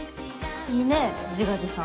いいね自画自賛。